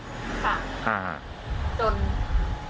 จน